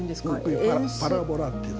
パラボラっていうの。